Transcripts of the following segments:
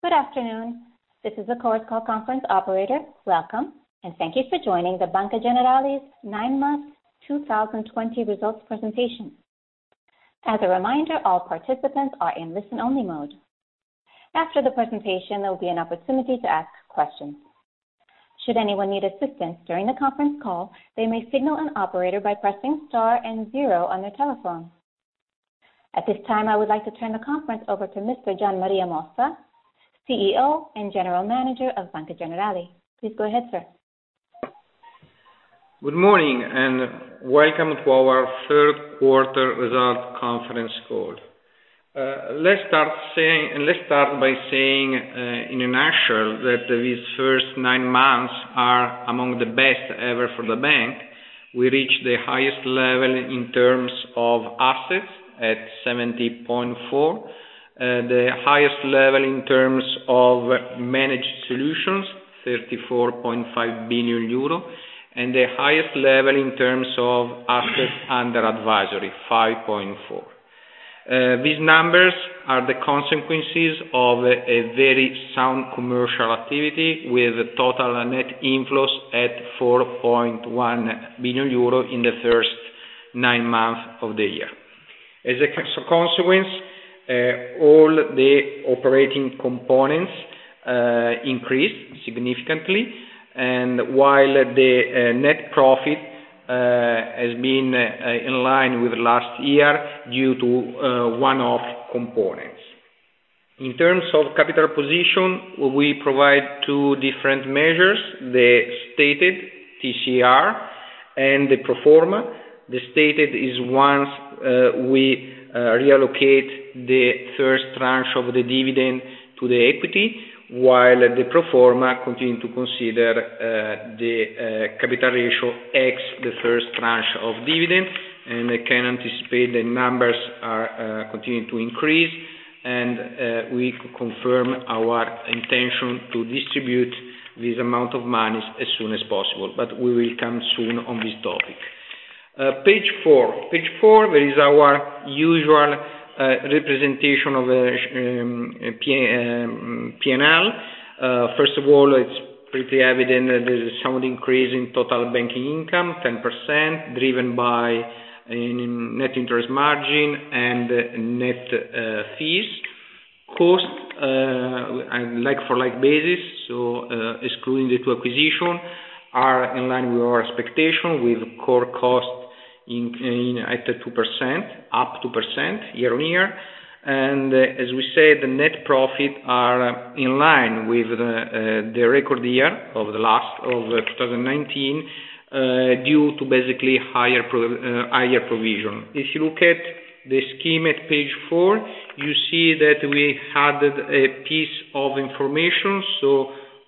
Good afternoon. This is the Chorus Call conference operator. Welcome, and thank you for joining the Banca Generali's nine-month 2020 results presentation. As a reminder, all participants are in listen-only mode. After the presentation, there will be an opportunity to ask questions. Should anyone need assistance during the conference call, they may signal an operator by pressing star and zero on their telephone. At this time, I would like to turn the conference over to Mr. Gian Maria Mossa, CEO and General Manager of Banca Generali. Please go ahead, sir. Good morning, and welcome to our third quarter results conference call. Let's start by saying in a nutshell that these first nine months are among the best ever for the bank. We reached the highest level in terms of assets at EUR 70.4 billion, the highest level in terms of managed solutions, 34.5 billion euro, and the highest level in terms of assets under advisory, 5.4 billion. These numbers are the consequences of a very sound commercial activity, with total net inflows at 4.1 billion euro in the first nine months of the year. As a consequence, all the operating components increased significantly, while the net profit has been in line with last year due to one-off components. In terms of capital position, we provide two different measures, the stated TCR and the pro forma. The stated is once we reallocate the first tranche of the dividend to the equity, while the pro forma continue to consider the capital ratio X, the first tranche of dividend, I can anticipate the numbers are continuing to increase. We confirm our intention to distribute this amount of monies as soon as possible. We will come soon on this topic. Page four, there is our usual representation of P&L. First of all, it's pretty evident that there's a sound increase in total banking income, 10%, driven by net interest margin and net fees. Cost like-for-like basis, so excluding the two acquisitions, are in line with our expectation, with core costs up 2% year-on-year. As we said, the net profit are in line with the record year of 2019, due to basically higher provision. If you look at the scheme at page four, you see that we added a piece of information.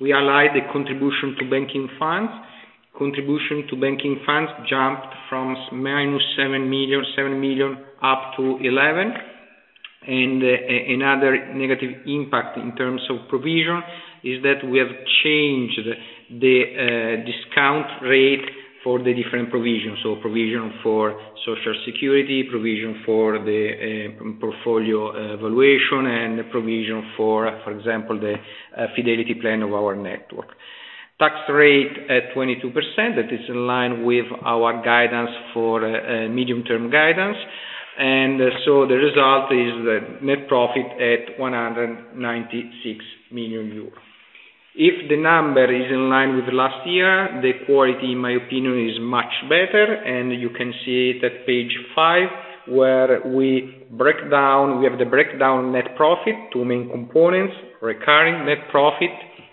We align the contribution to banking funds. Contribution to banking funds jumped from -7 million up to -11 million. Another negative impact in terms of provision is that we have changed the discount rate for the different provisions. Provision for Social Security, provision for the portfolio valuation, and provision for example, the fidelity plan of our network. Tax rate at 22%, that is in line with our medium-term guidance. The result is the net profit at 196 million euro. If the number is in line with last year, the quality, in my opinion, is much better. You can see it at page five, where we have the breakdown net profit, two main components, recurring net profit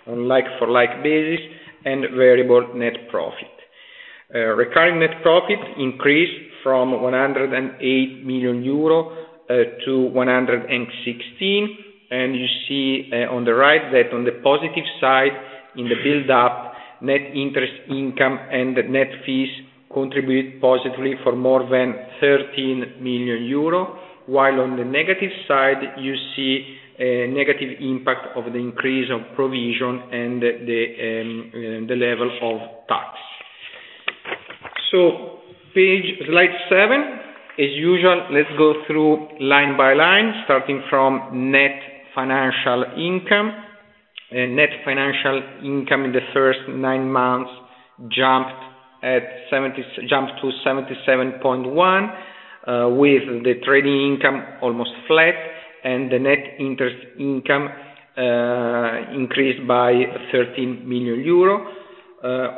on like-for-like basis and variable net profit. Recurring net profit increased from 108 million euro to 116 million. You see on the right that on the positive side, in the build-up, net interest income and net fees contribute positively for more than 13 million euro. On the negative side, you see a negative impact of the increase of provision and the level of tax. Slide seven. As usual, let's go through line by line, starting from net financial income. Net financial income in the first nine months jumped to 77.1 million, with the trading income almost flat and the net interest income increased by 13 million euro.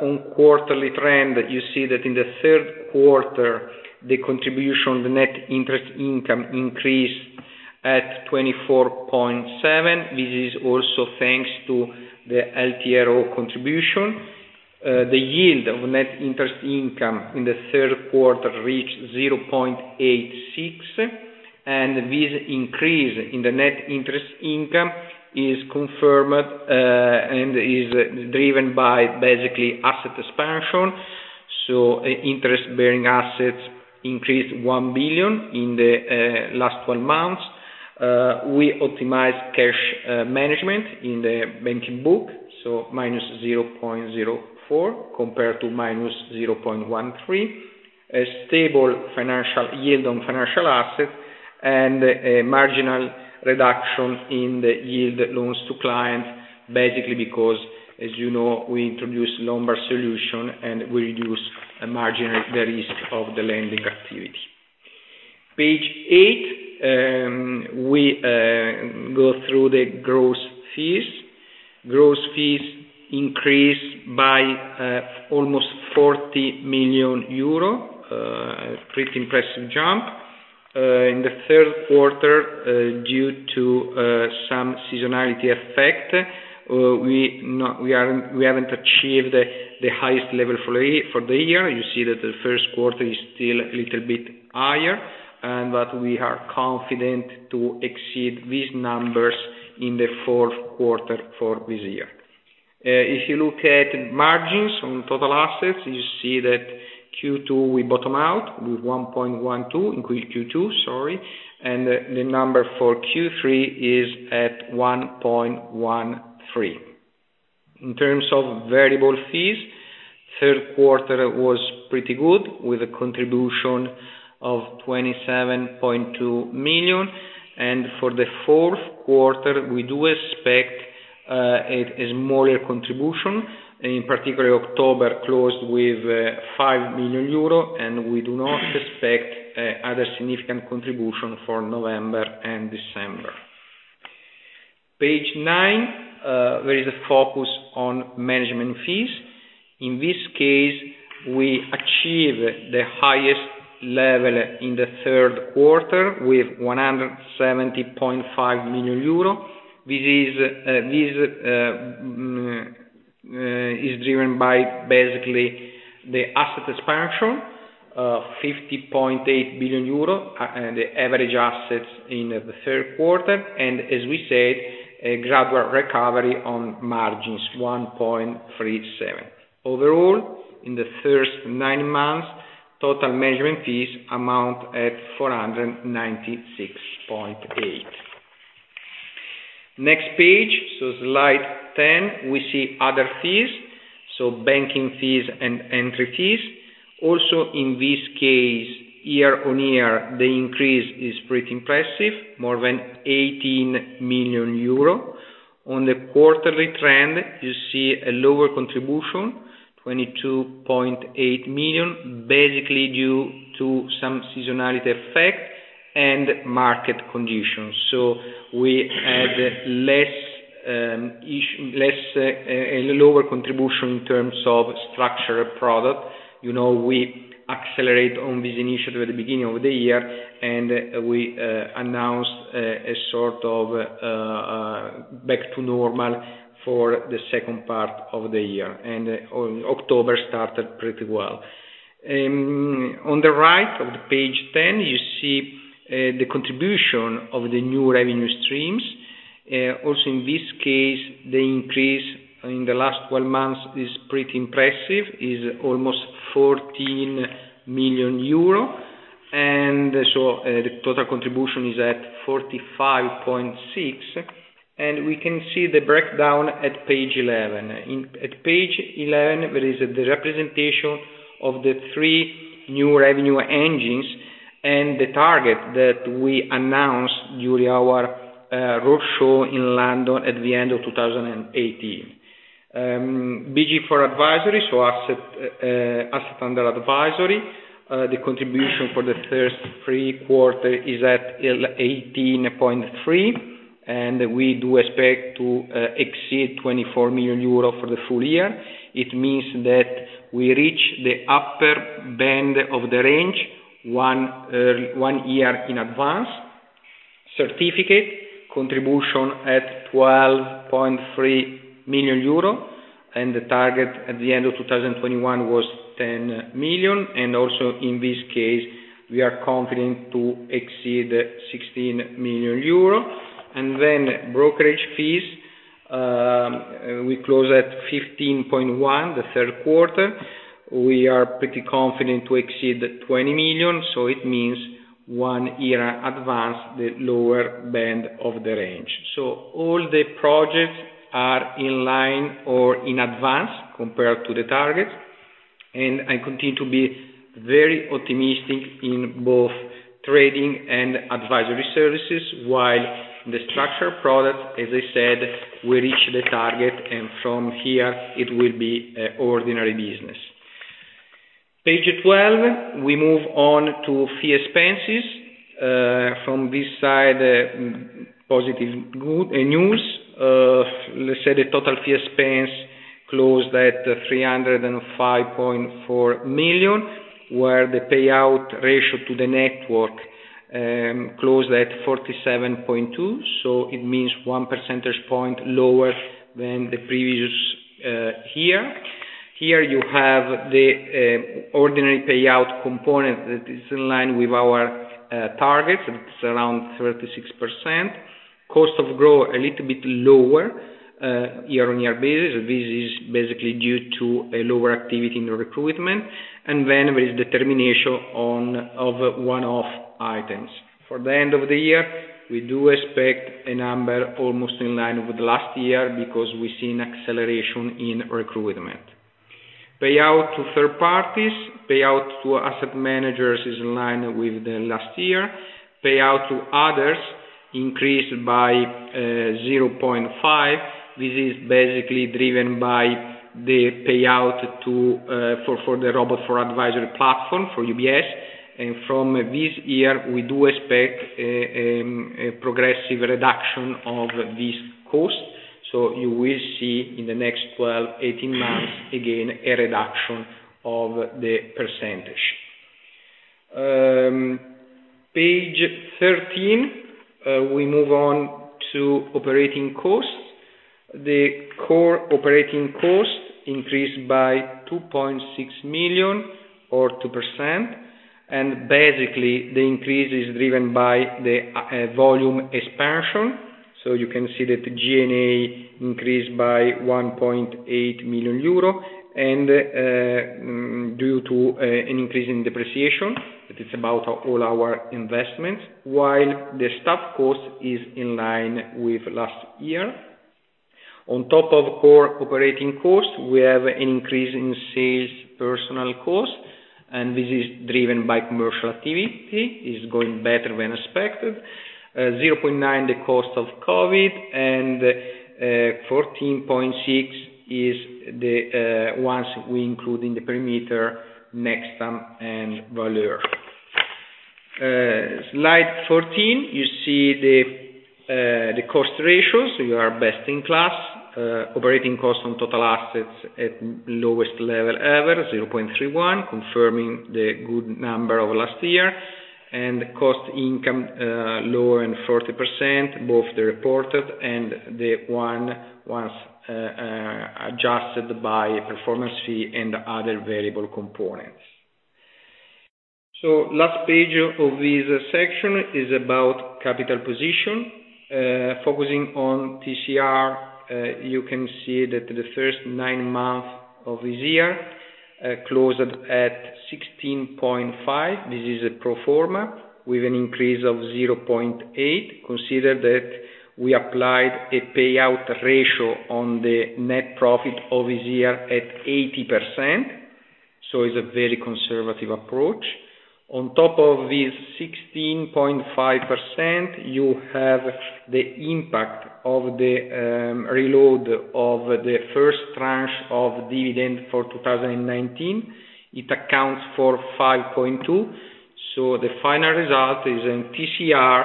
On quarterly trend, you see that in the third quarter, the contribution, the net interest income increased at 24.7 million. This is also thanks to the TLTRO contribution. The yield of net interest income in the third quarter reached 0.86%. This increase in the net interest income is confirmed and is driven by basically asset expansion. Interest-bearing assets increased 1 billion in the last 12 months. We optimized cash management in the banking book, -0.04% compared to -0.13%. A stable financial yield on financial assets and a marginal reduction in the yield loans to clients, basically because, as you know, we introduced Lombard solution. We reduced marginally the risk of the lending activity. Page eight, we go through the gross fees. Gross fees increased by almost 40 million euro, pretty impressive jump, in the third quarter, due to some seasonality effect, we haven't achieved the highest level for the year. You see that the first quarter is still a little bit higher, but we are confident to exceed these numbers in the fourth quarter for this year. If you look at margins on total assets, you see that Q2, we bottom out with 1.12%, and the number for Q3 is at 1.13%. In terms of variable fees, third quarter was pretty good, with a contribution of 27.2 million. For the fourth quarter, we do expect a smaller contribution. In particular, October closed with 5 million euro, and we do not expect other significant contribution for November and December. Page nine, there is a focus on management fees. In this case, we achieve the highest level in the third quarter with 170.5 million euro. This is driven by basically the asset expansion of 50.8 billion euro, and the average assets in the third quarter, and as we said, a gradual recovery on margins, 1.37%. Overall, in the first nine months, total management fees amount at 496.8 million. Next page, slide 10, we see other fees, banking fees and entry fees. Also, in this case, year-over-year, the increase is pretty impressive, more than 18 million euro. On the quarterly trend, you see a lower contribution, 22.8 million, basically due to some seasonality effect and market conditions. We had a lower contribution in terms of structured product. We accelerate on this initiative at the beginning of the year, and we announced a sort of back to normal for the second part of the year, and October started pretty well. On the right of the page 10, you see the contribution of the new revenue streams. Also, in this case, the increase in the last 12 months is pretty impressive, is almost 14 million euro, and so the total contribution is at 45.6 million. We can see the breakdown at page 11. At page 11, there is the representation of the three new revenue engines and the target that we announced during our roadshow in London at the end of 2018. BG for Advisory, so asset under advisory, the contribution for the first three quarter is at 18.3 billion, and we do expect to exceed 24 billion euro for the full year. It means that we reach the upper band of the range one year in advance. Certificate contribution at 12.3 million euro, and the target at the end of 2021 was 10 million. Also in this case, we are confident to exceed 16 million euro. Brokerage fees, we close at 15.1 billion, the third quarter. We are pretty confident to exceed 20 billion, so it means one year advance the lower band of the range. All the projects are in line or in advance compared to the targets, and I continue to be very optimistic in both trading and advisory services, while the structured product, as I said, we reach the target, and from here, it will be ordinary business. Page 12, we move on to fee expenses. From this side, positive news. The total fee expense closed at 305.4 million, where the payout ratio to the network closed at 47.2%, so it means 1 percentage point lower than the previous year. Here you have the ordinary payout component that is in line with our targets. It's around 36%. Cost of growth, a little bit lower year-on-year basis. This is basically due to a lower activity in the recruitment. There is the termination of one-off items. For the end of the year, we do expect a number almost in line with last year because we've seen acceleration in recruitment. Payout to third parties. Payout to asset managers is in line with last year. Payout to others increased by 0.5 million. This is basically driven by the payout for the robo-for-Advisory platform for UBS. From this year, we do expect a progressive reduction of this cost. You will see in the next 12, 18 months, again, a reduction of the percentage. Page 13, we move on to operating costs. The core operating costs increased by 2.6 million or 2%, basically the increase is driven by the volume expansion. You can see that G&A increased by 1.8 million euro, due to an increase in depreciation, that is about all our investments, while the staff cost is in line with last year. On top of core operating costs, we have an increase in sales personnel cost, this is driven by commercial activity. It's going better than expected. 0.9 million, the cost of COVID, 14.6 million is once we include in the perimeter Nextam and Valeur. Slide 14, you see the cost ratios. We are best-in-class. Operating cost on total assets at lowest level ever, 0.31%, confirming the good number of last year, cost income lower than 40%, both the reported and the ones adjusted by performance fee and other variable components. Last page of this section is about capital position. Focusing on TCR, you can see that the first nine months of this year closed at 16.5%. This is a pro forma with an increase of 0.8%. Consider that we applied a payout ratio on the net profit of this year at 80%, so it's a very conservative approach. On top of this 16.5%, you have the impact of the reload of the first tranche of dividend for 2019. It accounts for 5.2%, so the final result is in TCR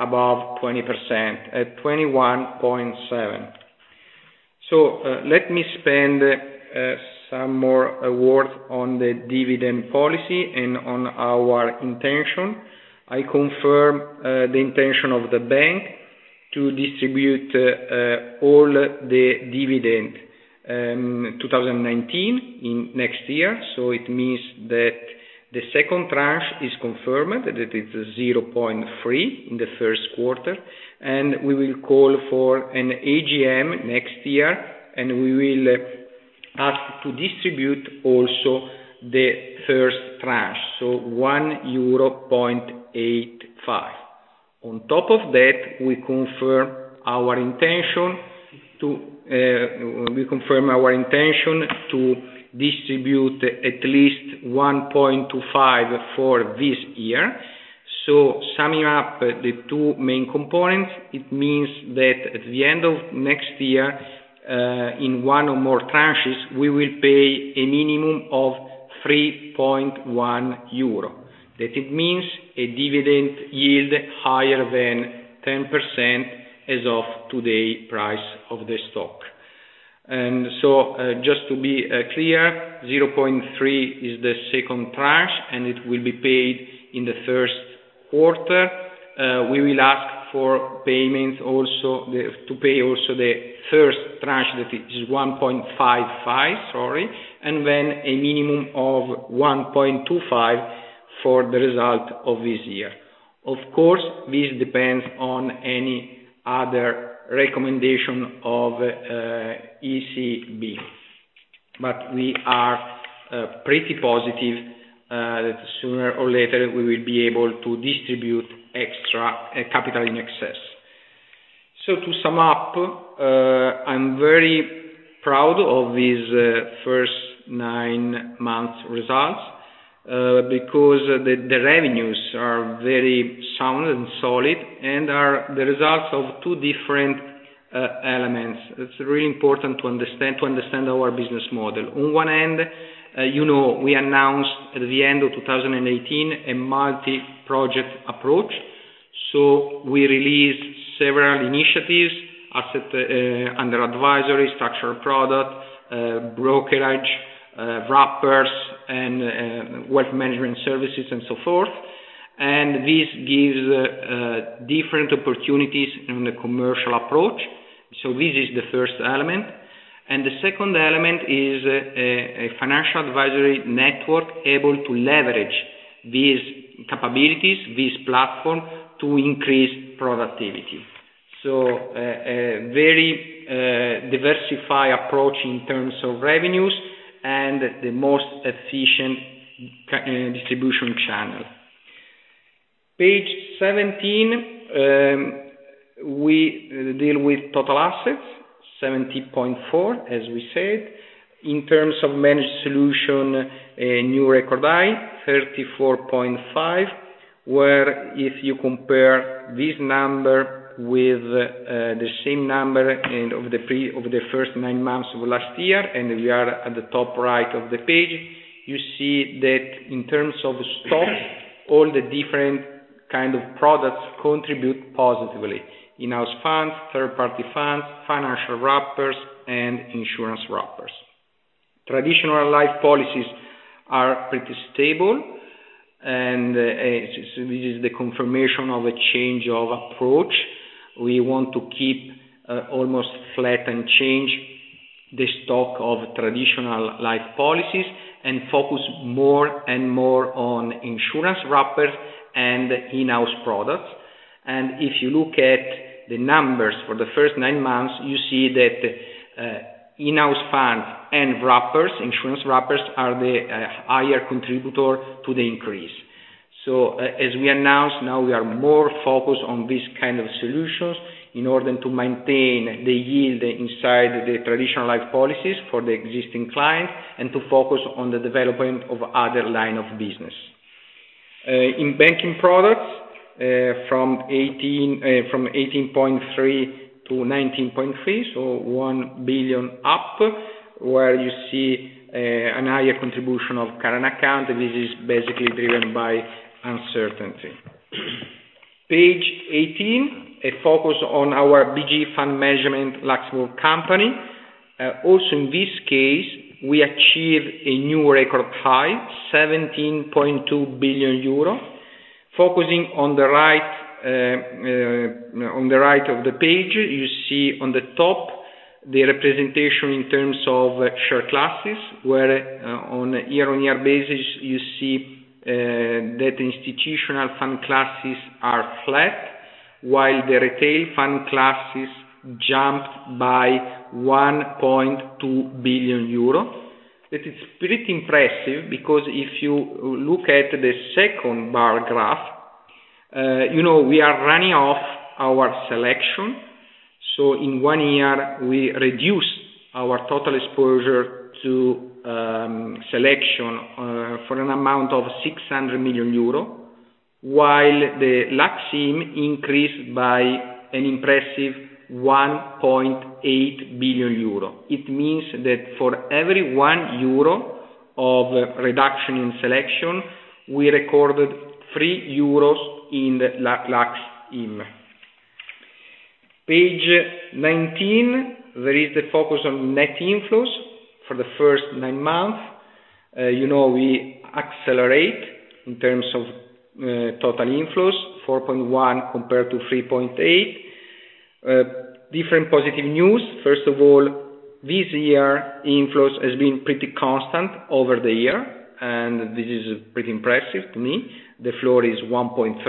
above 20% at 21.7%. Let me spend some more words on the dividend policy and on our intention. I confirm the intention of the bank to distribute all the dividend 2019 in next year. It means that the second tranche is confirmed, that it is 0.3 in the first quarter. We will call for an AGM next year, and we will ask to distribute also the first tranche, so 1.85 euro. On top of that, we confirm our intention to distribute at least 1.25 for this year. Summing up the two main components, it means that at the end of next year, in one or more tranches, we will pay a minimum of 3.1 euro. It means a dividend yield higher than 10% as of today price of the stock. Just to be clear, 0.3 is the second tranche, and it will be paid in the first quarter. We will ask to pay also the first tranche, that is 1.55, sorry, and then a minimum of 1.25 for the result of this year. Of course, this depends on any other recommendation of ECB. We are pretty positive that sooner or later, we will be able to distribute capital in excess. To sum up, I'm very proud of this first nine months results, because the revenues are very sound and solid and are the results of two different elements. It's really important to understand our business model. On one end, you know, we announced at the end of 2018 a multi-project approach. We released several initiatives: asset under advisory, structured product, brokerage, wrappers, wealth management services, and so forth. This gives different opportunities in the commercial approach. This is the first element. The second element is a financial advisory network able to leverage these capabilities, this platform to increase productivity. A very diversified approach in terms of revenues and the most efficient distribution channel. Page 17. We deal with total assets, 70.4 billion, as we said. In terms of managed solution, a new record high, 34.5 billion, where if you compare this number with the same number of the first nine months of last year, and we are at the top right of the page, you see that in terms of stocks, all the different kind of products contribute positively: in-house funds, third-party funds, financial wrappers, and insurance wrappers. Traditional life policies are pretty stable. This is the confirmation of a change of approach. We want to keep almost flat and change the stock of traditional life policies and focus more and more on insurance wrappers and in-house products. If you look at the numbers for the first nine months, you see that in-house funds and insurance wrappers are the higher contributor to the increase. As we announced, now we are more focused on these kind of solutions in order to maintain the yield inside the traditional life policies for the existing clients, and to focus on the development of other line of business. In banking products, from 18.3 billion to 19.3 billion, so 1 billion up, where you see a higher contribution of current account. This is basically driven by uncertainty. Page 18, a focus on our BG Fund Management Luxembourg company. Also, in this case, we achieved a new record high, 17.2 billion euro. Focusing on the right of the page, you see on the top the representation in terms of share classes, where on a year-on-year basis, you see that institutional fund classes are flat, while the retail fund classes jumped by 1.2 billion euro. That is pretty impressive because if you look at the second bar graph, we are running off our Selection. In one year, we reduced our total exposure to Selection for an amount of 600 million euro, while the Lux IM increased by an impressive 1.8 billion euro. It means that for every 1 euro of reduction in Selection, we recorded 3 euros in Lux IM. Page 19. There is the focus on net inflows for the first nine months. We accelerate in terms of total inflows, 4.1 billion compared to 3.8 billion. Different positive news. First of all, this year, inflows has been pretty constant over the year, this is pretty impressive to me. The floor is 1.3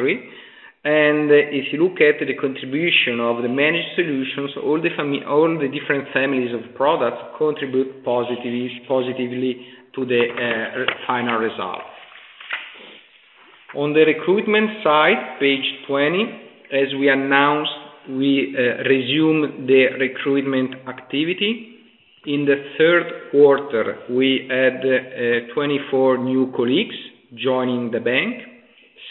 billion. If you look at the contribution of the managed solutions, all the different families of products contribute positively to the final result. On the recruitment side, page 20, as we announced, we resumed the recruitment activity. In the third quarter, we had 24 new colleagues joining the bank,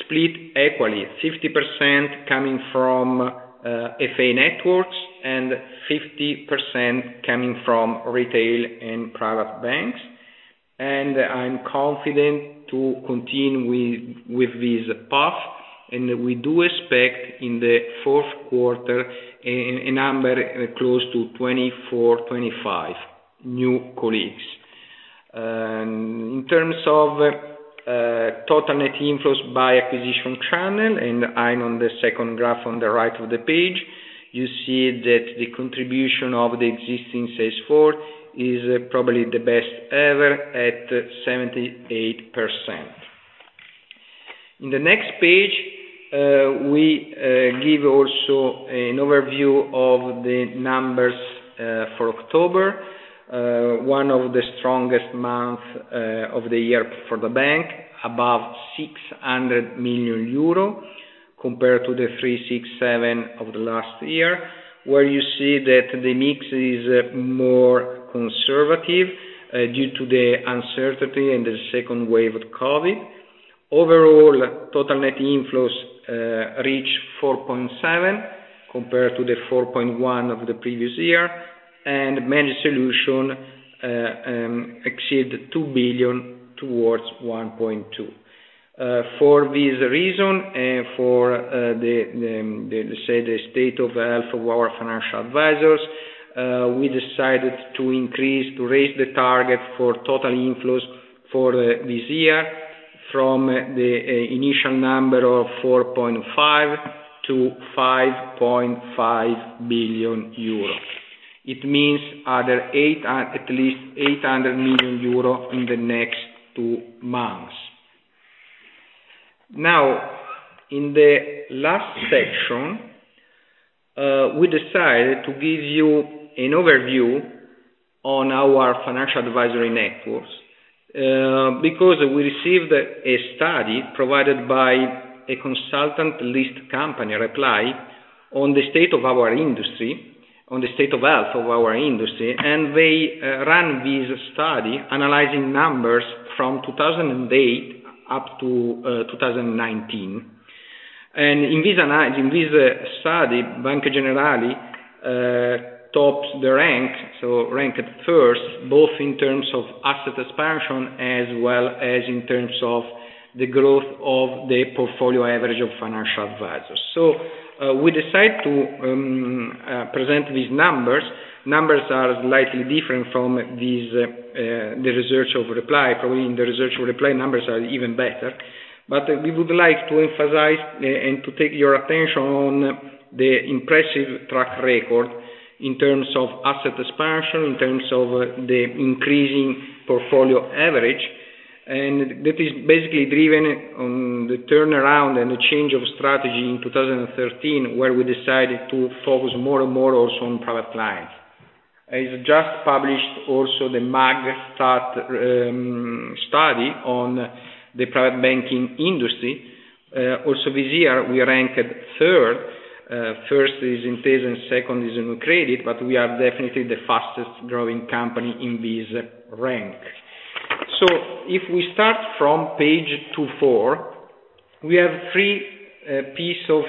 split equally, 50% coming from FA networks and 50% coming from retail and private banks. I'm confident to continue with this path, and we do expect, in the fourth quarter, a number close to 24, 25 new colleagues. In terms of total net inflows by acquisition channel, I'm on the second graph on the right of the page. You see that the contribution of the existing sales force is probably the best ever at 78%. In the next page, we give also an overview of the numbers for October, one of the strongest months of the year for the bank, above 600 million euro compared to 367 million of the last year, where you see that the mix is more conservative due to the uncertainty and the second wave of COVID. Overall, total net inflows reach 4.7 billion compared to 4.1 billion of the previous year, and managed solutions exceed 2 billion towards 1.2 billion. For this reason, the state of health of our financial advisors, we decided to raise the target for total inflows for this year from the initial number of 4.5 billion to 5.5 billion euro. It means at least 800 million euro in the next two months. In the last section, we decided to give you an overview on our financial advisory networks, because we received a study provided by a consultant list company, Reply, on the state of health of our industry. They ran this study analyzing numbers from 2008 up to 2019. In this study, Banca Generali tops the rank, so ranked first, both in terms of asset expansion, as well as in terms of the growth of the portfolio average of financial advisors. We decide to present these numbers. Numbers are slightly different from the research of Reply. Probably in the research of Reply, numbers are even better. We would like to emphasize and to take your attention on the impressive track record in terms of asset expansion, in terms of the increasing portfolio average. That is basically driven on the turnaround and the change of strategy in 2013, where we decided to focus more and more also on private clients. It just published also the MAG study on the private banking industry. This year, we ranked third. First is Intesa, second is UniCredit, but we are definitely the fastest growing company in this rank. If we start from page 24, we have three pieces of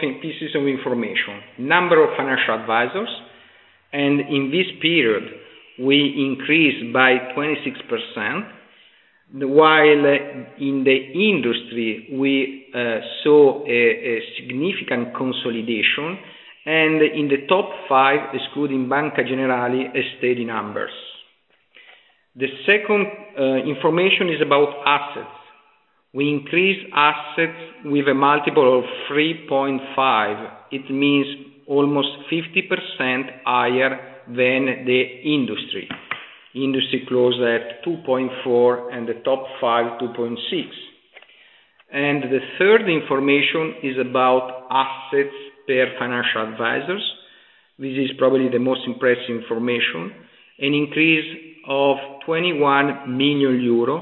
information. Number of financial advisors. In this period, we increased by 26%, while in the industry, we saw a significant consolidation. In the top five, excluding Banca Generali, a steady numbers. The second information is about assets. We increased assets with a multiple of 3.5x. It means almost 50% higher than the industry. Industry closed at 2.4x, and the top five, 2.6x. The third information is about assets per financial advisors. This is probably the most impressive information, an increase of 21 million euro,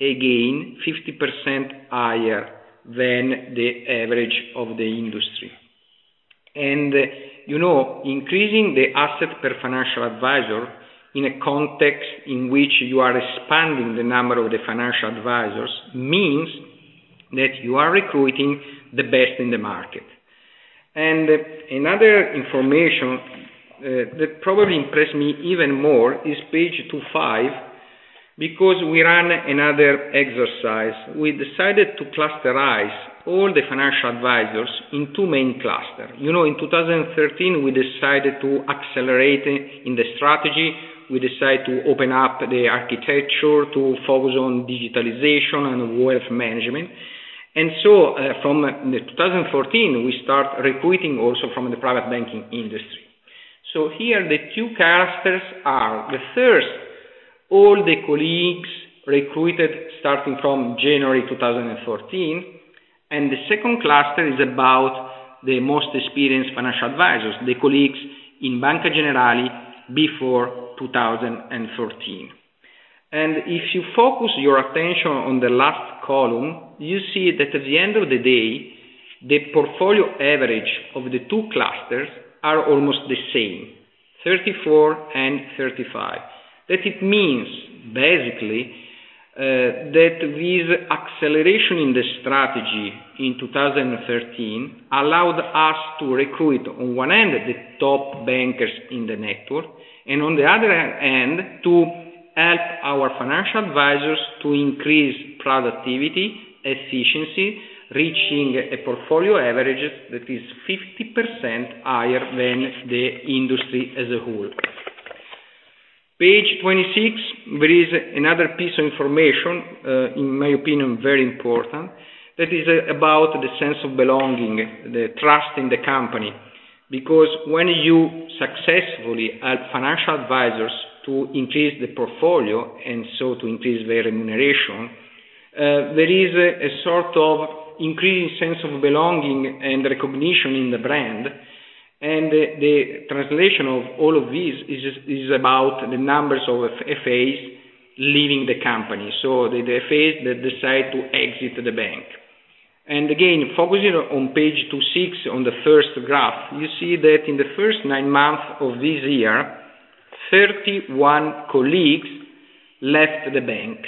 again, 50% higher than the average of the industry. Increasing the asset per financial advisor in a context in which you are expanding the number of the financial advisors, means that you are recruiting the best in the market. Another information that probably impressed me even more is page 25, because we ran another exercise. We decided to clusterize all the financial advisors in two main cluster. In 2013, we decided to accelerate in the strategy. We decided to open up the architecture to focus on digitalization and wealth management. From 2014, we start recruiting also from the private banking industry. Here, the two clusters are, the first, all the colleagues recruited starting from January 2014. The second cluster is about the most experienced financial advisors, the colleagues in Banca Generali before 2014. If you focus your attention on the last column, you see that at the end of the day, the portfolio average of the two clusters are almost the same, 34 million and 35 million. It means, basically, that this acceleration in the strategy in 2013 allowed us to recruit, on one end, the top bankers in the network, and on the other end, to help our financial advisors to increase productivity, efficiency, reaching a portfolio average that is 50% higher than the industry as a whole. Page 26, there is another piece of information, in my opinion, very important. That is about the sense of belonging, the trust in the company. When you successfully help financial advisors to increase the portfolio, to increase their remuneration, there is a sort of increasing sense of belonging and recognition in the brand. The translation of all of this is about the numbers of FAs leaving the company. The FAs that decide to exit the bank. Again, focusing on page 26, on the first graph, you see that in the first nine months of this year, 31 colleagues left the bank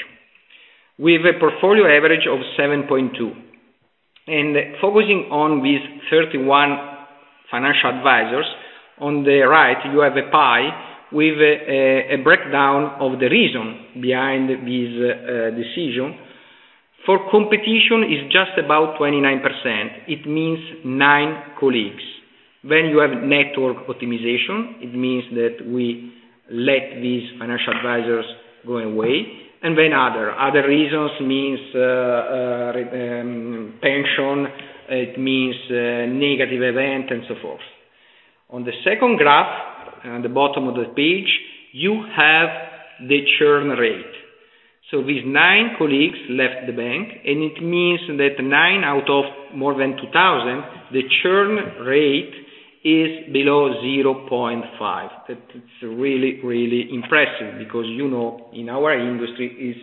with a portfolio average of 7.2 million. Focusing on these 31 financial advisors, on the right, you have a pie with a breakdown of the reason behind this decision. For competition, it is just about 29%. It means nine colleagues. You have network optimization. It means that we let these financial advisors go away. Then, other. Other reasons means pension, it means negative event, and so forth. On the second graph, on the bottom of the page, you have the churn rate. These nine colleagues left the bank, and it means that nine out of more than 2,000, the churn rate is below 0.5%. That is really, really impressive because you know, in our industry, it's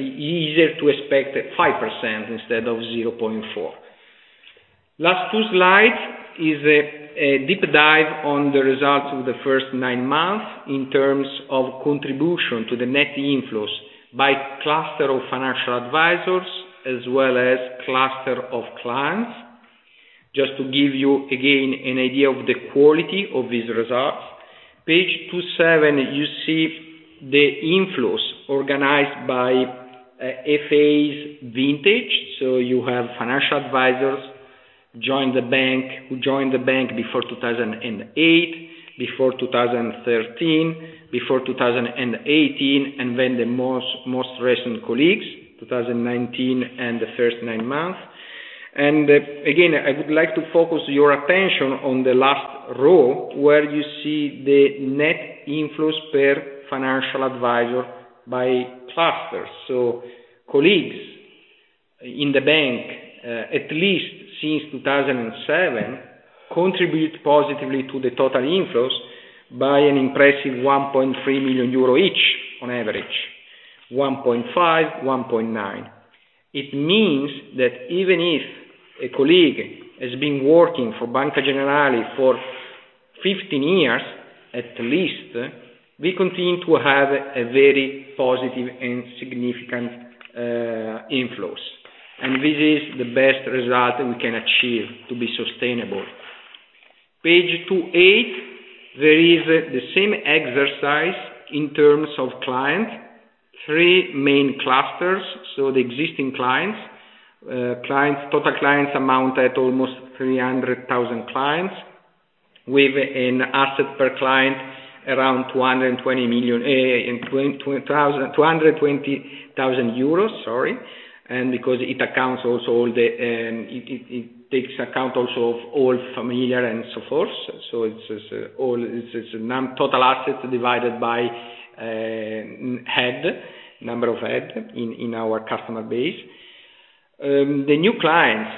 easier to expect 5% instead of 0.4%. Last two slides is a deep dive on the results of the first nine months in terms of contribution to the net inflows by cluster of financial advisors as well as cluster of clients. Just to give you, again, an idea of the quality of these results. Page 27, you see the inflows organized by FAs vintage. You have financial advisors who joined the bank before 2008, before 2013, before 2018, and then the most recent colleagues, 2019 and the first nine months. Again, I would like to focus your attention on the last row, where you see the net inflows per financial advisor by cluster. Colleagues in the bank, at least since 2007, contribute positively to the total inflows by an impressive 1.3 million euro each on average, 1.5 million, 1.9 million. It means that even if a colleague has been working for Banca Generali for 15 years, at least, we continue to have a very positive and significant inflows. This is the best result we can achieve to be sustainable. Page 28, there is the same exercise in terms of clients, three main clusters. The existing clients, total clients amount at almost 300,000 clients with an asset per client around EUR 220,000. Because it takes account also of all family and so forth. It's total assets divided by number of head in our customer base. The new clients,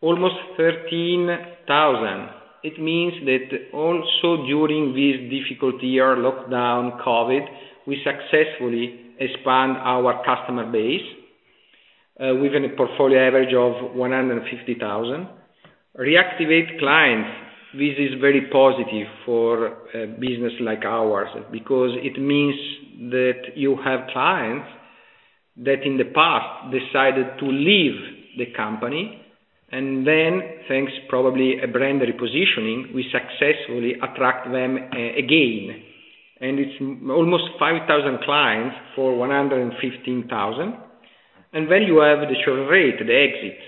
almost 13,000. It means that also during this difficult year, lockdown, COVID, we successfully expand our customer base, with a portfolio average of 150,000. Reactivate clients, this is very positive for a business like ours because it means that you have clients that in the past decided to leave the company, then thanks probably a brand repositioning, we successfully attract them again. It's almost 5,000 clients for 115,000. Then you have the churn rate, the exit,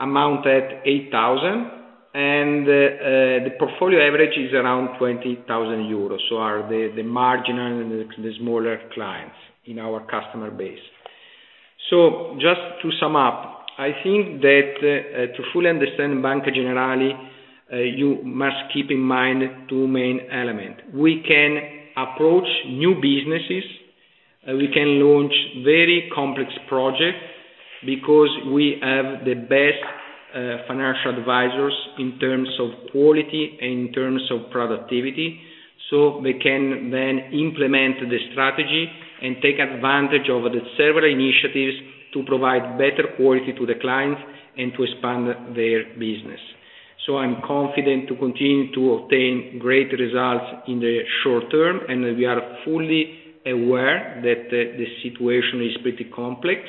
amount at 8,000, and the portfolio average is around 20,000 euros. Are the marginal and the smaller clients in our customer base. Just to sum up, I think that to fully understand Banca Generali, you must keep in mind two main element. We can approach new businesses, we can launch very complex project because we have the best financial advisors in terms of quality and in terms of productivity. We can then implement the strategy and take advantage of the several initiatives to provide better quality to the clients and to expand their business. I'm confident to continue to obtain great results in the short term, and we are fully aware that the situation is pretty complex.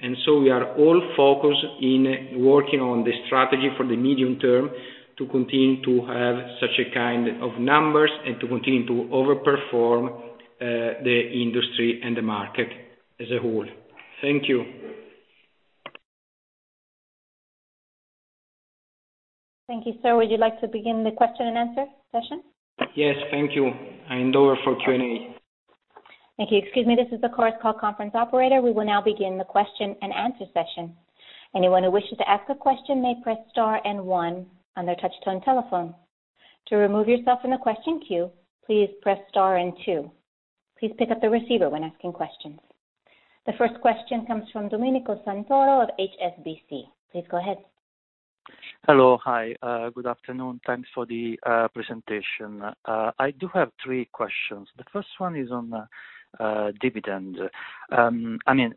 We are all focused in working on the strategy for the medium term to continue to have such a kind of numbers and to continue to over-perform the industry and the market as a whole. Thank you. Thank you. Sir, would you like to begin the question-and-answer session? Yes. Thank you. Hand over for Q&A. Thank you. This is the Chorus Call conference operator. We will now begin the question-and-answer session. Anyone who wishes to ask a question may press star and one on your touch-tone telephone. To remove yourself from the question queue, please press star and two. Please pick up the receiver when asking questions. The first question comes from Domenico Santoro of HSBC. Please go ahead. Hello. Hi. Good afternoon. Thanks for the presentation. I do have three questions. The first one is on dividend.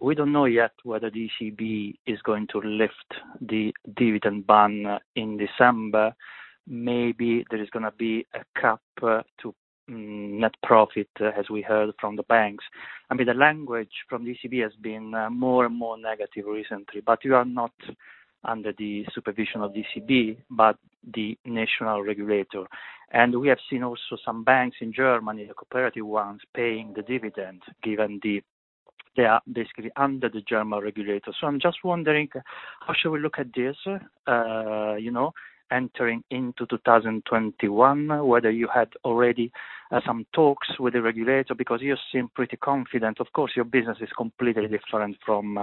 We don't know yet whether ECB is going to lift the dividend ban in December. Maybe there is going to be a cap to net profit, as we heard from the banks. I mean, the language from ECB has been more and more negative recently, but you are not under the supervision of ECB, but the national regulator. We have seen also some banks in Germany, the cooperative ones, paying the dividend, given they are basically under the German regulator. I'm just wondering, how should we look at this, entering into 2021, whether you had already some talks with the regulator because you seem pretty confident. Of course, your business is completely different from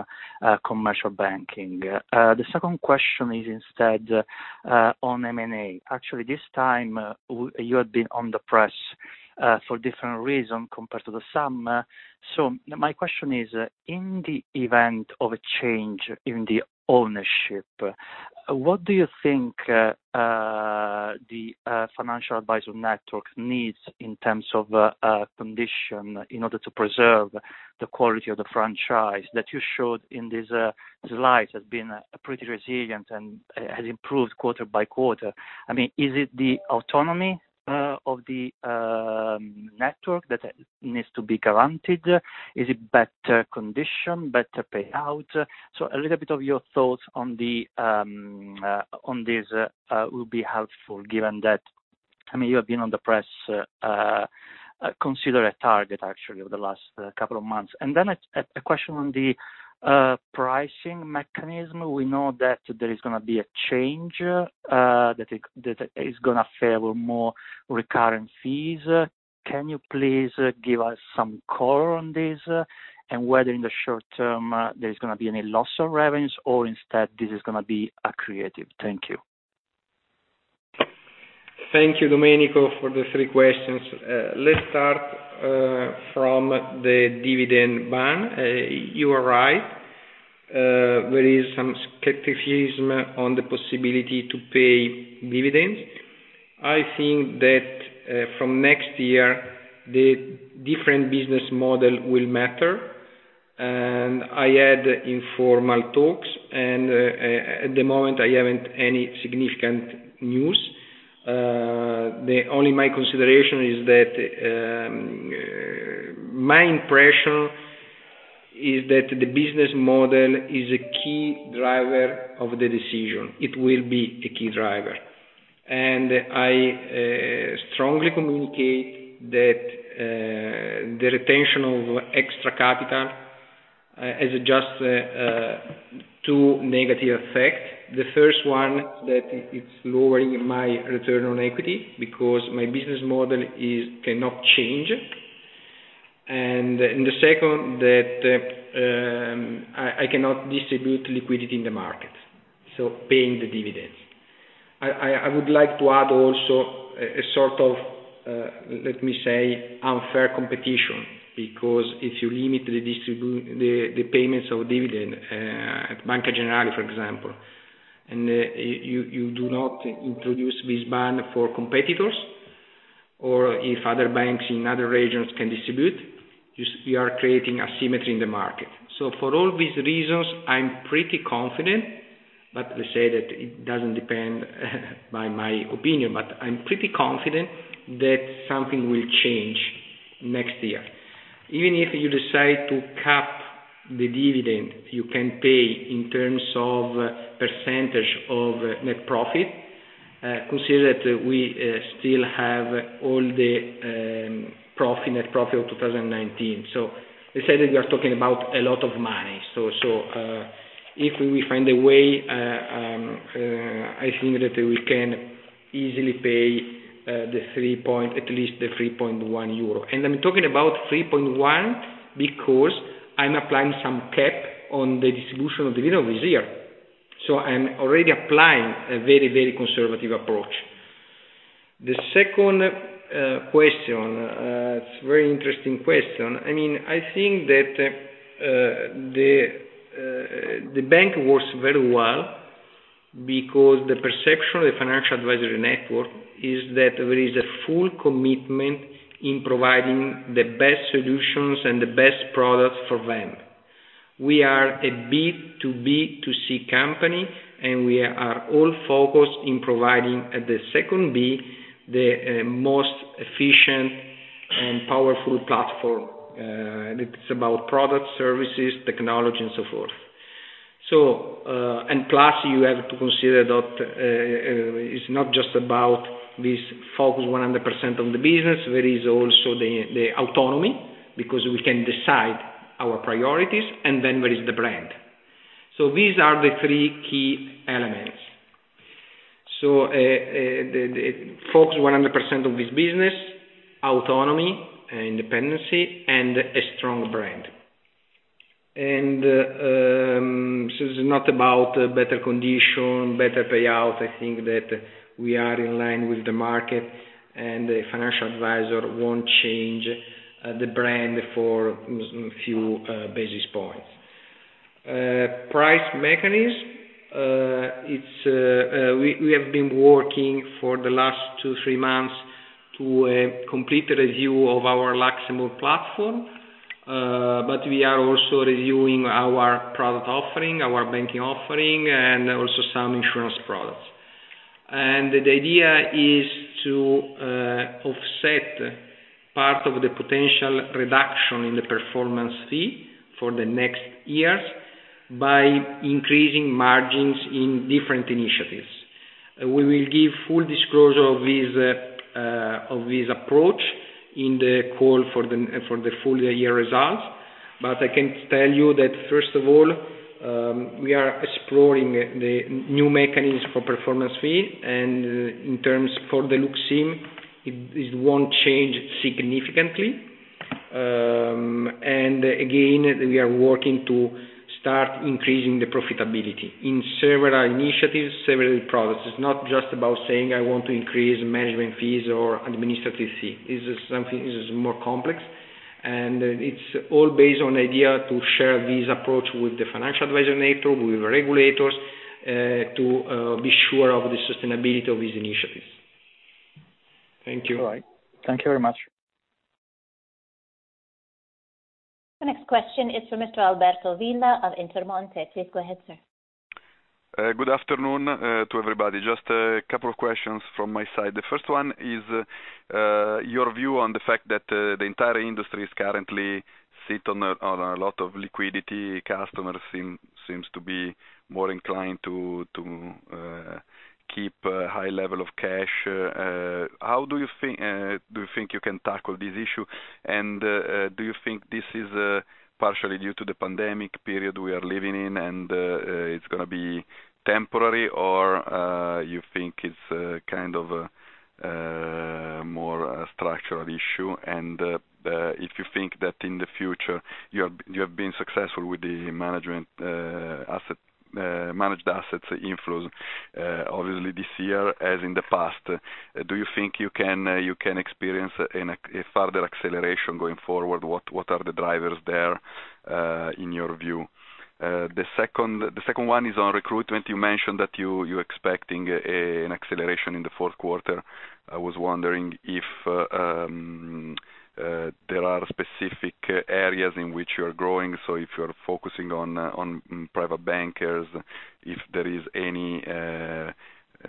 commercial banking. The second question is instead, on M&A. Actually, this time, you had been on the press for different reason compared to the summer. My question is, in the event of a change in the ownership, what do you think the financial advisor network needs in terms of condition in order to preserve the quality of the franchise that you showed in these slides has been pretty resilient and has improved quarter by quarter? Is it the autonomy of the network that needs to be guaranteed? Is it better condition, better payout? A little bit of your thoughts on this will be helpful given that you have been on the press, considered a target actually over the last couple of months. A question on the pricing mechanism. We know that there is going to be a change, that is going to favor more recurring fees. Can you please give us some color on this, and whether in the short term there's going to be any loss of revenues or instead this is going to be accretive? Thank you. Thank you, Domenico, for the three questions. Let's start from the dividend ban. You are right. There is some skepticism on the possibility to pay dividends. I think that, from next year, the different business model will matter. I had informal talks, and at the moment, I haven't any significant news. My impression is that the business model is a key driver of the decision. It will be a key driver. I strongly communicate that the retention of extra capital has just two negative effect. The first one, that it's lowering my return on equity because my business model cannot change. The second, that I cannot distribute liquidity in the market, so paying the dividends. I would like to add also a sort of, let me say, unfair competition, because if you limit the payments of dividend at Banca Generali, for example, and you do not introduce this ban for competitors, or if other banks in other regions can distribute, you are creating asymmetry in the market. For all these reasons, I'm pretty confident. Let's say that it doesn't depend by my opinion, but I'm pretty confident that something will change next year. Even if you decide to cap the dividend you can pay in terms of percentage of net profit, consider that we still have all the net profit of 2019. Let's say that we are talking about a lot of money. If we find a way, I think that we can easily pay at least the 3.1 euro. I'm talking about 3.1 because I'm applying some cap on the distribution of dividend this year. I'm already applying a very conservative approach. The second question, it's very interesting question. I think that the bank works very well because the perception of the financial advisory network is that there is a full commitment in providing the best solutions and the best products for them. We are a B2B2C company, we are all focused in providing at the second B, the most efficient and powerful platform. It's about product services, technology, and so forth. Plus, you have to consider that it's not just about this focus 100% on the business. There is also the autonomy, because we can decide our priorities, there is the brand. These are the three key elements. Focus 100% of this business, autonomy, independency, and a strong brand. This is not about better condition, better payout. I think that we are in line with the market, and the financial advisor won't change the brand for few basis points. Price mechanism. We have been working for the last two, three months to complete a review of our Lux IM platform. We are also reviewing our product offering, our banking offering, and also some insurance products. The idea is to offset part of the potential reduction in the performance fee for the next years by increasing margins in different initiatives. We will give full disclosure of this approach in the call for the full year results. I can tell you that first of all, we are exploring the new mechanism for performance fee, and in terms for the Lux IM, it won't change significantly. Again, we are working to start increasing the profitability in several initiatives, several products. It's not just about saying, I want to increase management fees or administrative fee. This is more complex, and it's all based on idea to share this approach with the financial advisor network, with regulators, to be sure of the sustainability of these initiatives. Thank you. All right. Thank you very much. The next question is for Mr. Alberto Villa of Intermonte. Please go ahead, sir. Good afternoon to everybody. Just a couple of questions from my side. The first one is your view on the fact that the entire industry is currently sit on a lot of liquidity. Customers seems to be more inclined to keep a high level of cash. Do you think you can tackle this issue, and do you think this is partially due to the pandemic period we are living in, and it's going to be temporary, or you think it's a more structural issue? If you think that in the future, you have been successful with the managed assets inflows, obviously this year as in the past. Do you think you can experience a further acceleration going forward? What are the drivers there, in your view? The second one is on recruitment. You mentioned that you're expecting an acceleration in the fourth quarter. I was wondering if there are specific areas in which you're growing, so if you're focusing on private bankers, if there is any,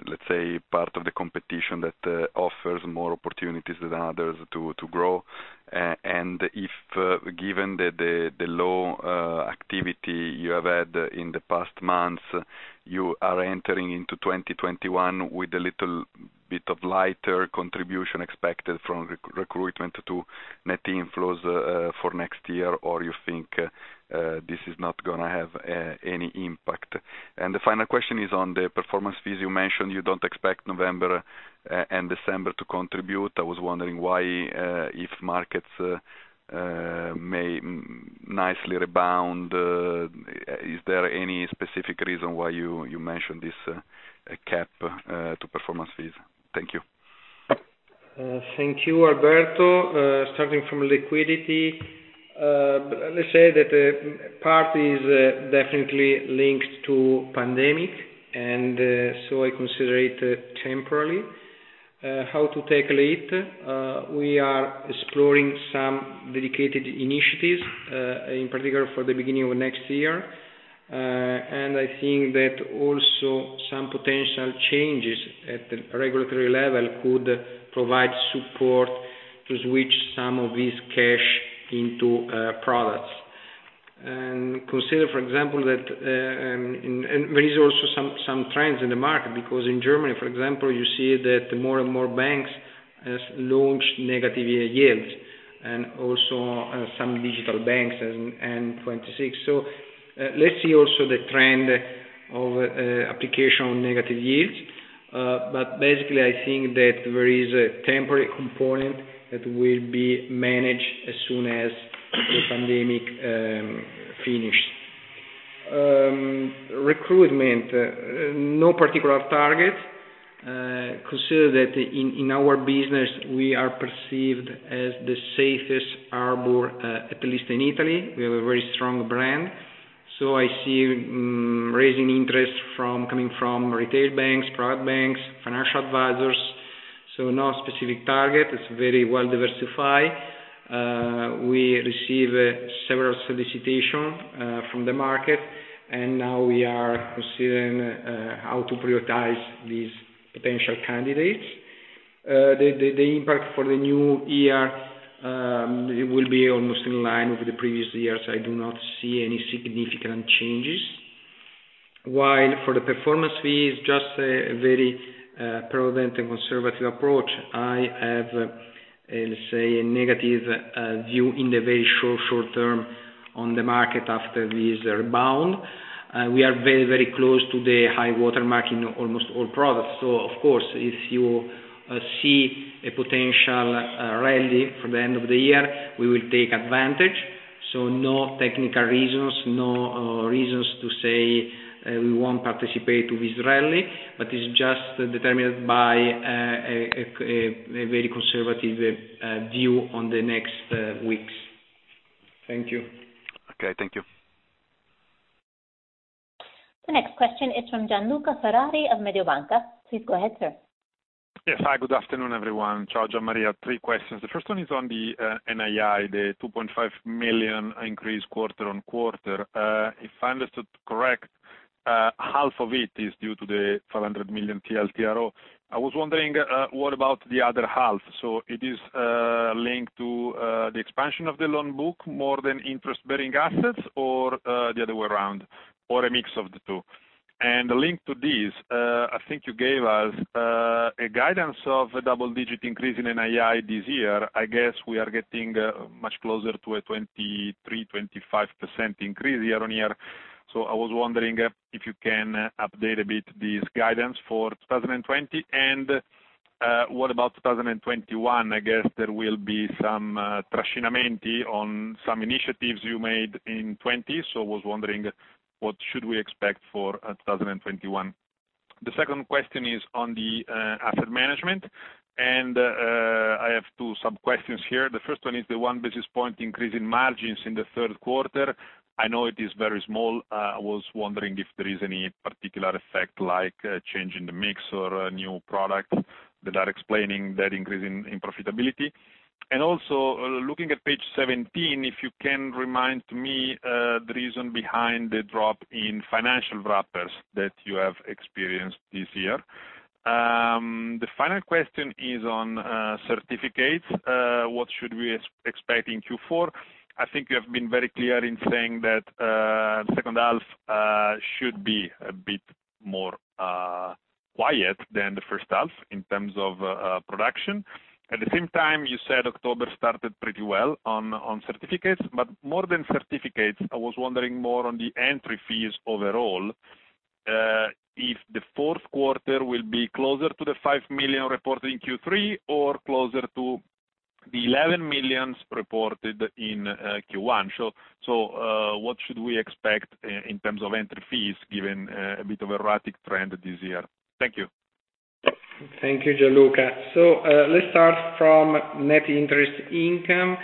let's say, part of the competition that offers more opportunities than others to grow. If, given the low activity you have had in the past months, you are entering into 2021 with a little bit of lighter contribution expected from recruitment to net inflows for next year, or you think this is not going to have any impact. The final question is on the performance fees. You mentioned you don't expect November and December to contribute. I was wondering why, if markets may nicely rebound, is there any specific reason why you mentioned this cap to performance fees? Thank you. Thank you, Alberto. Starting from liquidity, let's say that part is definitely linked to pandemic, and so I consider it temporary. How to tackle it? We are exploring some dedicated initiatives, in particular for the beginning of next year. I think that also some potential changes at the regulatory level could provide support to switch some of this cash into products. Consider, for example, there is also some trends in the market, because in Germany, for example, you see that more and more banks has launched negative yields, and also some digital banks, N26. Let's see also the trend of application on negative yields. Basically, I think that there is a temporary component that will be managed as soon as the pandemic finish. Recruitment, no particular target. Consider that in our business, we are perceived as the safest harbor, at least in Italy. We have a very strong brand. I see raising interest coming from retail banks, private banks, financial advisors. No specific target. It's very well-diversified. We receive several solicitations from the market, and now we are considering how to prioritize these potential candidates. The impact for the new year, it will be almost in line with the previous years. I do not see any significant changes. While for the performance fee, it's just a very prudent and conservative approach. I have, let's say, a negative view in the very short term on the market after this rebound. We are very close to the high-water mark in almost all products. Of course, if you see a potential rally for the end of the year, we will take advantage. No technical reasons, no reasons to say we won't participate to this rally, but it's just determined by a very conservative view on the next weeks. Thank you. Okay. Thank you. The next question is from Gianluca Ferrari of Mediobanca. Please go ahead, sir. Hi, good afternoon, everyone. Ciao, Gian Maria. Three questions. The first one is on the NII, the 2.5 million increase quarter-on-quarter. If I understood correct, 1/2 of it is due to the 500 million TLTRO. I was wondering, what about the other 1/2? It is linked to the expansion of the loan book more than interest-bearing assets or the other way around, or a mix of the two? Linked to this, I think you gave us a guidance of a double-digit increase in NII this year. I guess we are getting much closer to a 23%-25% increase year-on-year. I was wondering if you can update a bit this guidance for 2020. What about 2021? I guess there will be some [inaudible] on some initiatives you made in 2020. I was wondering what should we expect for 2021. The second question is on the asset management, and I have two sub-questions here. The first one is the 1 basis point increase in margins in the third quarter. I know it is very small. I was wondering if there is any particular effect, like a change in the mix or a new product that are explaining that increase in profitability. Also looking at page 17, if you can remind me the reason behind the drop in financial wrappers that you have experienced this year. The final question is on certificates. What should we expect in Q4? I think you have been very clear in saying that second half should be a bit more quiet than the first half in terms of production. At the same time, you said October started pretty well on certificates. More than certificates, I was wondering more on the entry fees overall, if the fourth quarter will be closer to 5 million reported in Q3 or closer to 11 million reported in Q1. What should we expect in terms of entry fees, given a bit of erratic trend this year? Thank you. Thank you, Gianluca. Let's start from net interest income.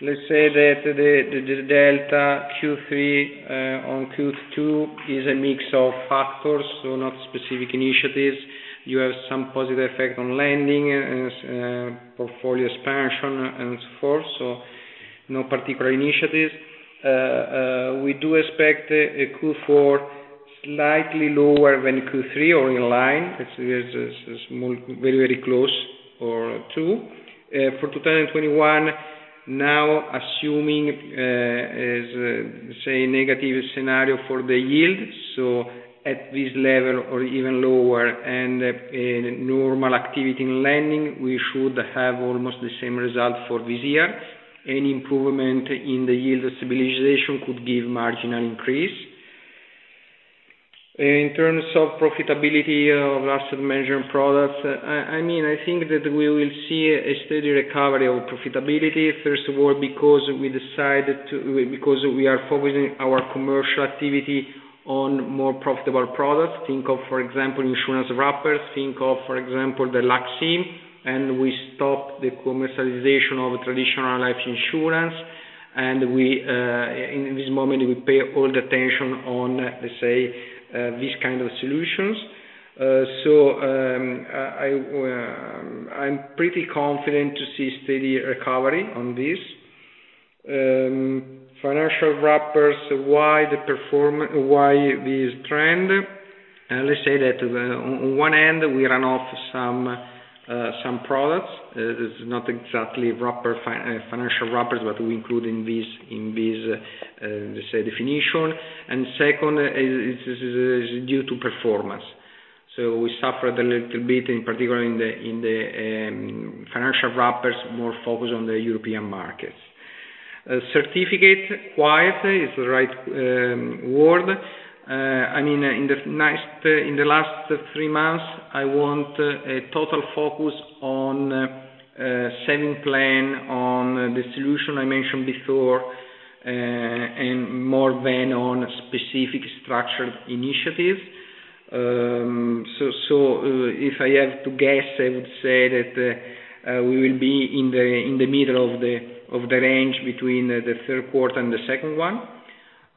Let's say that the delta Q3 on Q2 is a mix of factors. Not specific initiatives. You have some positive effect on lending and portfolio expansion and so forth. No particular initiatives. We do expect a Q4 slightly lower than Q3 or in line. It's very close for the two. For 2021, now assuming, let's say, a negative scenario for the yield, at this level or even lower, and a normal activity in lending, we should have almost the same result for this year. Any improvement in the yield stabilization could give marginal increase. In terms of profitability of asset management products, I think that we will see a steady recovery of profitability, first of all, because we are focusing our commercial activity on more profitable products. Think of, for example, insurance wrappers. Think of, for example, the Lux IM. We stopped the commercialization of traditional life insurance, and in this moment, we pay all the attention on these kinds of solutions. I'm pretty confident to see steady recovery on this. Financial wrappers, why this trend? Let's say that on one end, we ran off some products. It's not exactly financial wrappers, but we include in this definition. Second is due to performance. We suffered a little bit, in particular in the financial wrappers, more focused on the European markets. Certificate, quiet is the right word. In the last three months, I want a total focus on saving plan, on the solution I mentioned before, and more than on specific structured initiatives. If I have to guess, I would say that we will be in the middle of the range between the third quarter and the second one.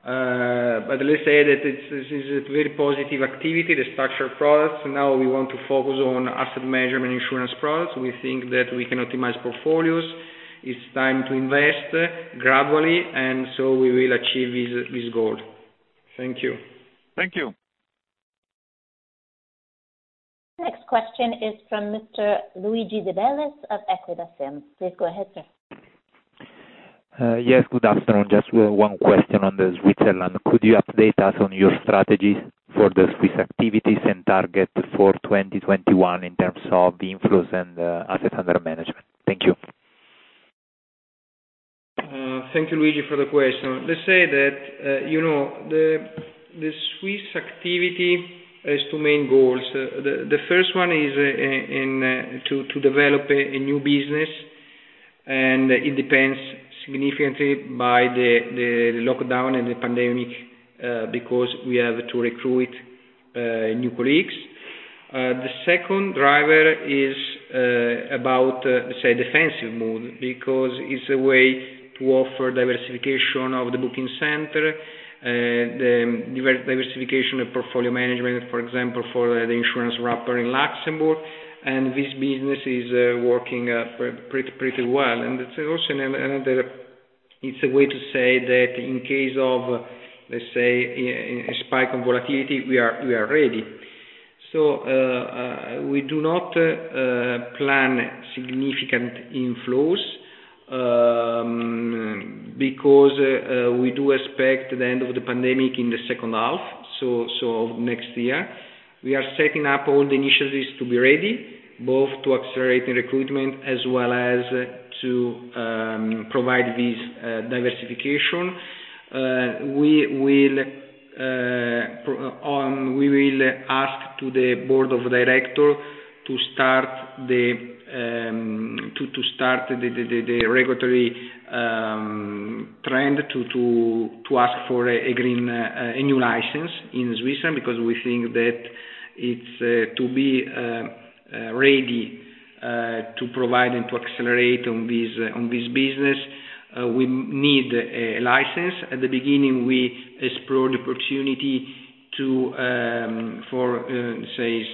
Let's say that this is a very positive activity, the structured products. Now, we want to focus on asset management insurance products. We think that we can optimize portfolios. It's time to invest gradually, and so we will achieve this goal. Thank you. Thank you. Next question is from Mr. Luigi de Bellis of Equita SIM. Please go ahead, sir. Good afternoon. Just one question on the Switzerland. Could you update us on your strategies for the Swiss activities and target for 2021 in terms of the inflows and asset under management? Thank you. Thank you, Luigi, for the question. Let's say that the Swiss activity has two main goals. The first one is to develop a new business, and it depends significantly by the lockdown and the pandemic, because we have to recruit new colleagues. The second driver is about defensive mode, because it's a way to offer diversification of the booking center, the diversification of portfolio management, for example, for the insurance wrapper in Luxembourg. This business is working pretty well. It's a way to say that in case of a spike in volatility, we are ready. We do not plan significant inflows, because we do expect the end of the pandemic in the second half of next year. We are setting up all the initiatives to be ready, both to accelerate the recruitment as well as to provide this diversification. We will ask to the board of director to start the regulatory trend to ask for a new license in Switzerland, because we think that to be ready to provide and to accelerate on this business, we need a license. At the beginning, we explored the opportunity for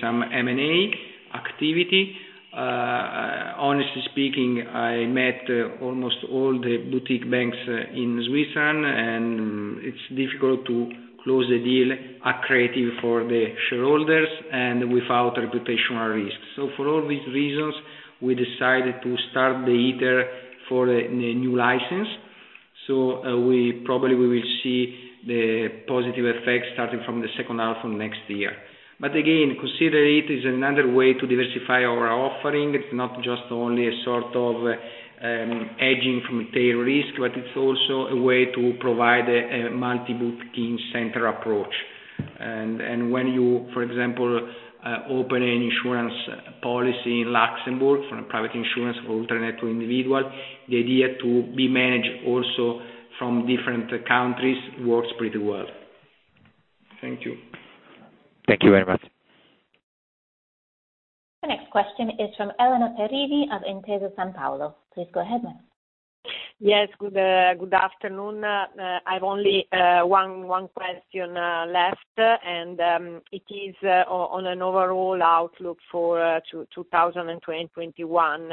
some M&A activity. Honestly speaking, I met almost all the boutique banks in Switzerland, and it's difficult to close a deal accretive for the shareholders and without reputational risk. For all these reasons, we decided to start the effort for a new license. Probably we will see the positive effects starting from the second half of next year. Again, consider it is another way to diversify our offering. It's not just only a sort of hedging from tail risk, but it's also a way to provide a multi-boutique center approach. When you, for example, open an insurance policy in Luxembourg from a private insurance for internet or individual, the idea to be managed also from different countries works pretty well. Thank you. Thank you very much. The next question is from Elena Perini of Intesa Sanpaolo. Please go ahead, ma'am. Good afternoon. I've only one question left, and it is on an overall outlook for 2021.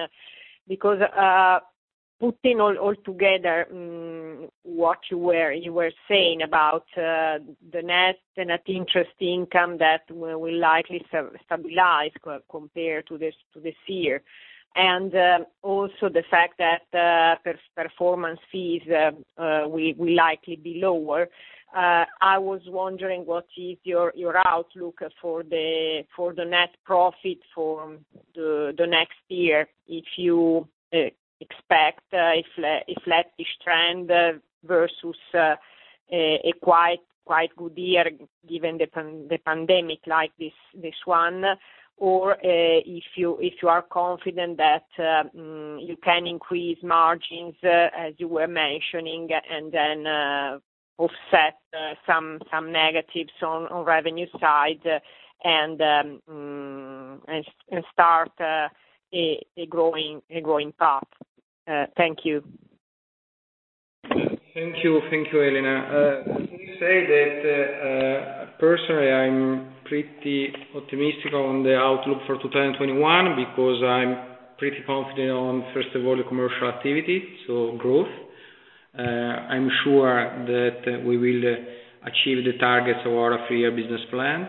Putting all together what you were saying about the net interest income that will likely stabilize compared to this year, and also the fact that performance fees will likely be lower, I was wondering what is your outlook for the net profit for the next year, if you expect a flattish trend versus a quite good year given the pandemic like this one. If you are confident that you can increase margins, as you were mentioning, and then offset some negatives on revenue side and start a growing path. Thank you. Thank you, Elena. Personally, I'm pretty optimistic on the outlook for 2021 because I'm pretty confident on, first of all, the commercial activity, so growth. I'm sure that we will achieve the targets of our three-year business plan,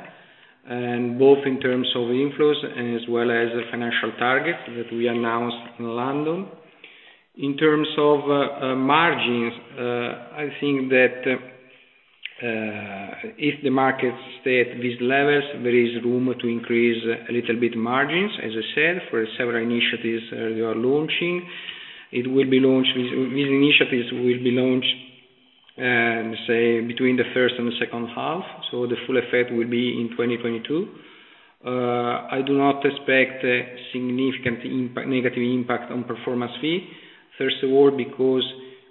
and both in terms of inflows and as well as the financial targets that we announced in London. In terms of margins, I think that if the market stay at these levels, there is room to increase a little bit margins, as I said, for several initiatives that we are launching. These initiatives will be launched, say, between the first and the second half. The full effect will be in 2022. I do not expect a significant negative impact on performance fee. First of all, because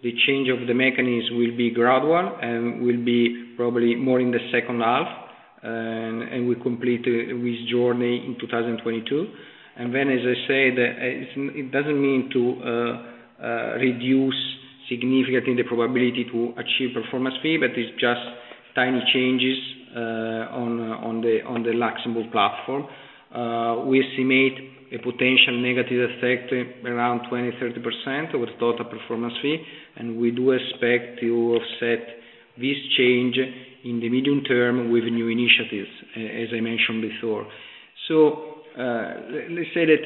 the change of the mechanism will be gradual and will be probably more in the second half, and will complete this journey in 2022. As I said, it doesn't mean to reduce significantly the probability to achieve performance fee, but it's just tiny changes on the Luxembourg platform. We estimate a potential negative effect around 20%-30% of the total performance fee. We do expect to offset this change in the medium term with new initiatives, as I mentioned before. Let's say that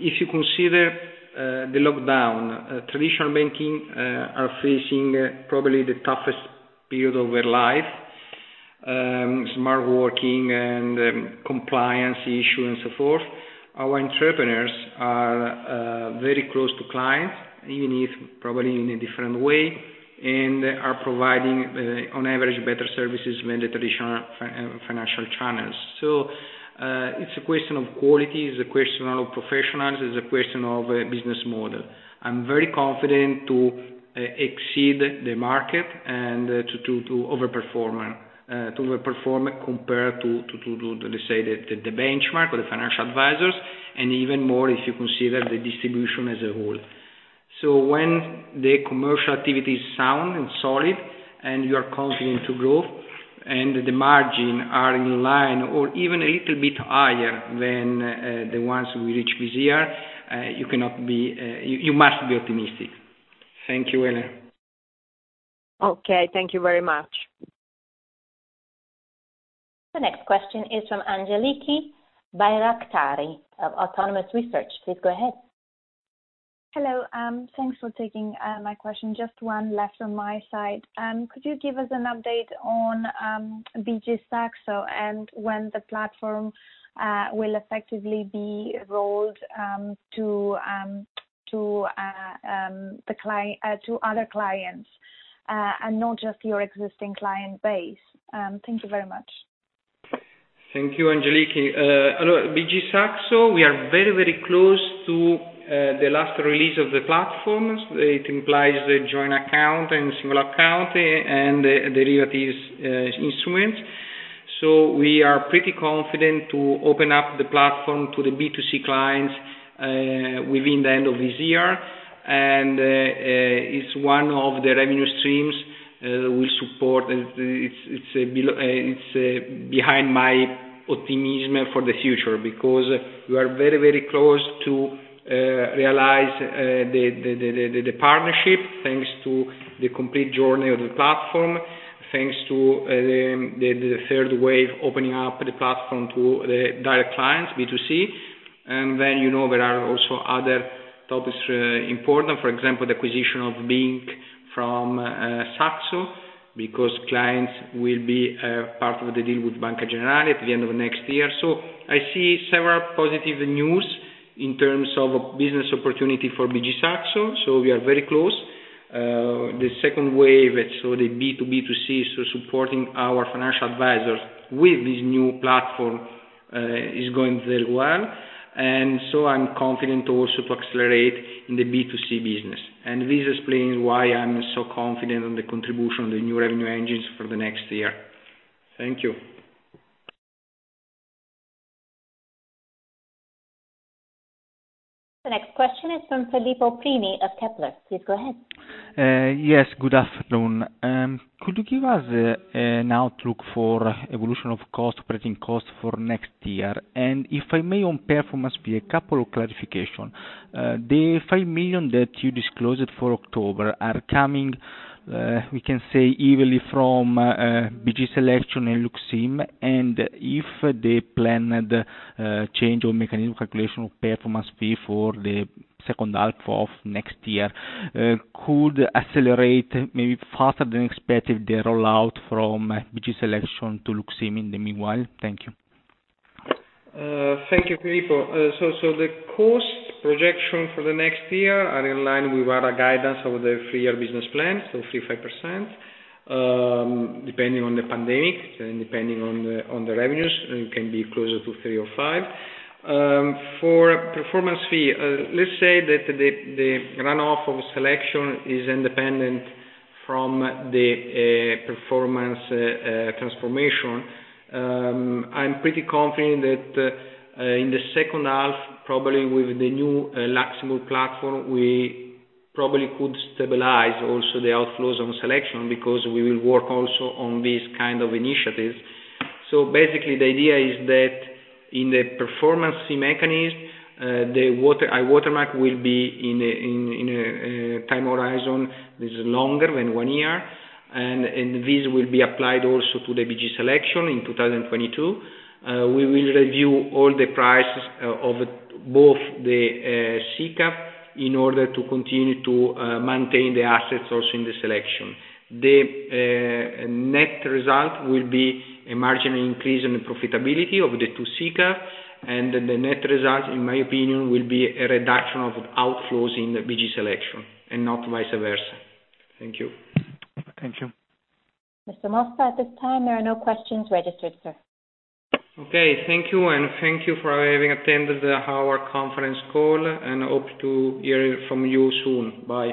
if you consider the lockdown, traditional banking are facing probably the toughest period of their life, smart working and compliance issue and so forth. Our entrepreneurs are very close to clients, even if probably in a different way, and are providing, on average, better services than the traditional financial channels. It's a question of quality, it's a question of professionals, it's a question of a business model. I'm very confident to exceed the market and to over-perform compared to, let's say, the benchmark or the financial advisors, and even more if you consider the distribution as a whole. When the commercial activity is sound and solid, and you are confident to grow, and the margin are in line or even a little bit higher than the ones we reach this year, you must be optimistic. Thank you, Elena. Okay. Thank you very much. The next question is from Angeliki Bairaktari of Autonomous Research. Please go ahead. Hello. Thanks for taking my question. Just one left on my side. Could you give us an update on BG SAXO and when the platform will effectively be rolled to other clients, and not just your existing client base? Thank you very much. Thank you, Angeliki. Hello. BG SAXO, we are very close to the last release of the platforms. It implies the joint account and single account, and the derivatives instruments. We are pretty confident to open up the platform to the B2C clients within the end of this year. It's one of the revenue streams we support. It's behind my optimism for the future, because we are very close to realize the partnership, thanks to the complete journey of the platform, thanks to the third wave opening up the platform to the direct clients, B2C. There are also other topics important. For example, the acquisition of BinckBank from Saxo, because clients will be a part of the deal with Banca Generali at the end of next year. I see several positive news in terms of business opportunity for BG SAXO. We are very close. The second wave, so the B2B2C, so supporting our financial advisors with this new platform, is going very well. I'm confident also to accelerate in the B2C business. This explains why I'm so confident on the contribution of the new revenue engines for the next year. Thank you. The next question is from Filippo Prini of Kepler. Please go ahead. Good afternoon. Could you give us an outlook for evolution of operating cost for next year? If I may, on performance fee, a couple of clarification. The 5 million that you disclosed for October are coming, we can say, evenly from BG Selection and Lux IM. If the planned change of mechanism calculation of performance fee for the second half of next year could accelerate maybe faster than expected the rollout from BG Selection to Lux IM in the meanwhile. Thank you. Thank you, Filippo. The cost projection for the next year are in line with our guidance over the three-year business plan, 3%-5%. Depending on the pandemic and depending on the revenues, it can be closer to 3% or 5%. For performance fee, let's say that the runoff of selection is independent from the performance transformation. I'm pretty confident that in the second half, probably with the new Lux IM platform, we probably could stabilize also the outflows on selection, because we will work also on these kind of initiatives. The idea is that in the performance fee mechanism, the watermark will be in a time horizon that is longer than one year, and this will be applied also to the BG Selection in 2022. We will review all the prices of both the SICAV in order to continue to maintain the assets also in the Selection. The net result will be a marginal increase in the profitability of the two SICAV, and the net result, in my opinion, will be a reduction of outflows in the BG Selection, and not vice versa. Thank you. Thank you. Mr. Mossa, at this time, there are no questions registered, sir. Okay, thank you, and thank you for having attended our conference call, and hope to hear from you soon. Bye.